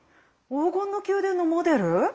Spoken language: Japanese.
黄金の宮殿のモデル？